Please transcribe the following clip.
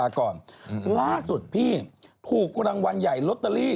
เป็นเงินไทยเท่าไหร่